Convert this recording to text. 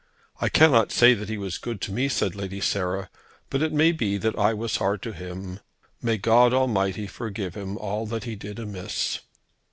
"I cannot say that he was good to me," said Lady Sarah, "but it may be that I was hard to him. May God Almighty forgive him all that he did amiss!"